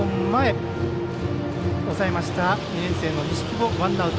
抑えました、２年生の西窪ワンアウト。